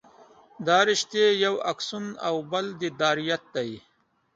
دا رشتې یو اکسون او بل دنداریت دي.